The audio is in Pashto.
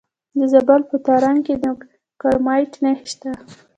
د زابل په ترنک کې د کرومایټ نښې شته.